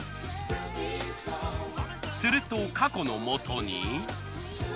するとかこのもとに。